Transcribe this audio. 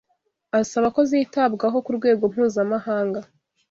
asaba ko zitabwaho ku rwego mpuzamahanga